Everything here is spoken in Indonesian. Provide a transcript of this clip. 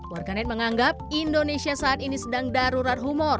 warganet menganggap indonesia saat ini sedang darurat humor